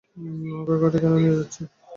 নৌকাটা ঘাটে কেন নিয়ে যাচ্ছি?